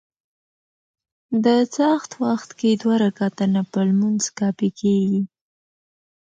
د څاښت وخت کي دوه رکعته نفل لمونځ کافي کيږي